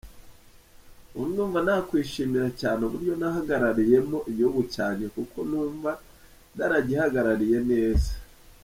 Ubu ndumva nakwishimira cyane uburyo nahagarariyemo igihugu cyanjye, kuko numva naragihagarariye neza.